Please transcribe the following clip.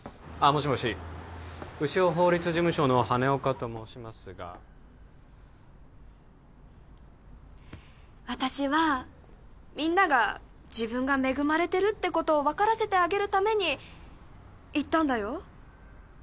もしもし潮法律事務所の羽根岡と申しますが私はみんなが自分が恵まれてるってことを分からせてあげるために言ったんだよ